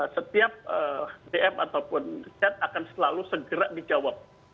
setiap dm ataupun chat akan selalu segera dijawab